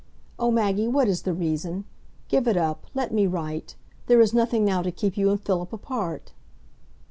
Oh, Maggie, what is the reason? Give it up; let me write. There is nothing now to keep you and Philip apart."